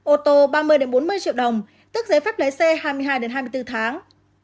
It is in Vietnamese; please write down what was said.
ô tô ba mươi bốn mươi triệu đồng tức giấy phép lái xe hai mươi hai hai mươi bốn tháng